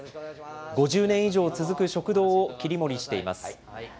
５０年以上続く食堂を切り盛りしています。